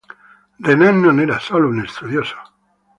Renan non era solo uno studioso.